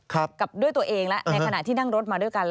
กับด้วยตัวเองแล้วในขณะที่นั่งรถมาด้วยกัน